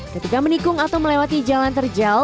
ketika menikung atau melewati jalan terjal